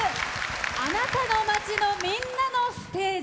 あなたの街の、みんなのステージ。